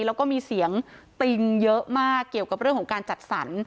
แล้วก็มีเสียงติงเยอะมากเกี่ยวกับเรื่องของการจัดสรร